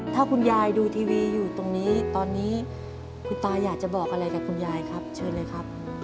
ถ้าคุณยายดูทีวีอยู่ตรงนี้ตอนนี้คุณตาอยากจะบอกอะไรกับคุณยายครับเชิญเลยครับ